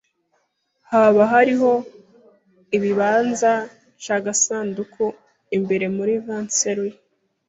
Hoba hariho ikibanza c'agasanduku imbere muri vanseri?